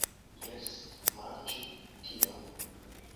Jes! Manĝu tion!